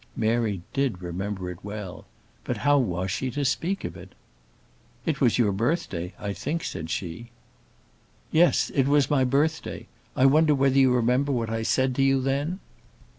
Mary did remember it well; but how was she to speak of it? "It was your birthday, I think," said she. "Yes, it was my birthday. I wonder whether you remember what I said to you then?"